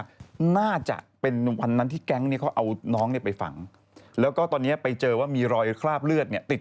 คือก็เป็นไปได้ว่าก่อนที่น้องจะตายอาจจะแบบว่าเอาไปสั่งสอน